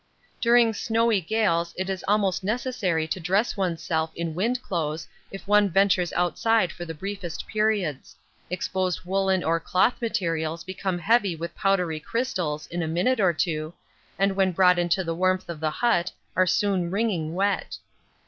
During snowy gales it is almost necessary to dress oneself in wind clothes if one ventures outside for the briefest periods exposed woollen or cloth materials become heavy with powdery crystals in a minute or two, and when brought into the warmth of the hut are soon wringing wet.